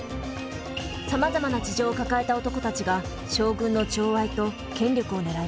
さまざまな事情を抱えた男たちが将軍の寵愛と権力を狙います。